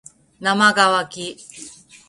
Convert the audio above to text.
なまがわき